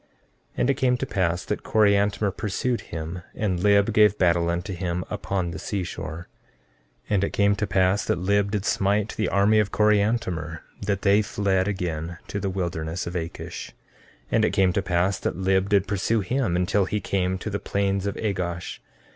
14:13 And it came to pass that Coriantumr pursued him; and Lib gave battle unto him upon the seashore. 14:14 And it came to pass that Lib did smite the army of Coriantumr, that they fled again to the wilderness of Akish. 14:15 And it came to pass that Lib did pursue him until he came to the plains of Agosh.